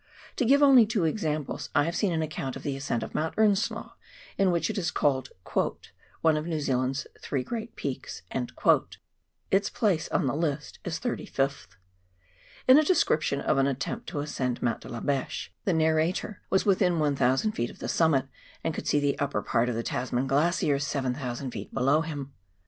To give only two examples : I have seen an account of the ascent of Mount Earnslaw in which it is called " one of New Zealand's three great peaks "— its place on the list is thirty fifth. In a description of an attempt to ascend Mount De la Beche, the narrator was within 1,000 ft. of the summit, and could see the upper part of the Tasman Glacier 7,000 ft. below him.